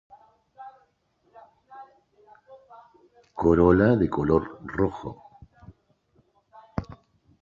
Corola de color rojo.